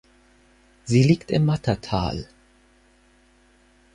Sie liegt im Mattertal.